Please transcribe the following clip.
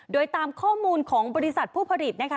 โดยตามข้อมูลของบริษัทผู้ผลิตนะคะ